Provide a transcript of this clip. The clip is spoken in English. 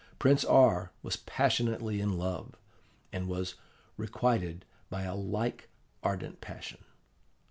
Prince R. was passionately in love, and was requited by a like ardent passion.